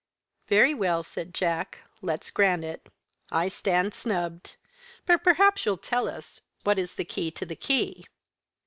"Very well," said Jack. "Let's grant it. I stand snubbed. But perhaps you'll tell us what is the key to the key?"